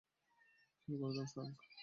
শুরু করে দাও, ফ্রাংক।